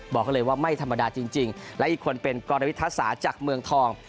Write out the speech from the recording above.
บอกเลยว่าไม่ธรรมดาจริงและอีกคนเป็นกรวิทยาศาสตร์จากเมืองทอง